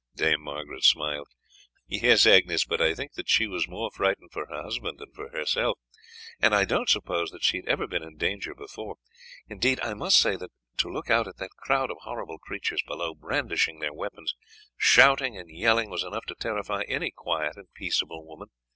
Dame Margaret smiled. "Yes, Agnes, but I think that she was more frightened for her husband than for herself, and I don't suppose that she had ever been in danger before. Indeed, I must say that to look out at that crowd of horrible creatures below, brandishing their weapons, shouting and yelling, was enough to terrify any quiet and peaceable woman.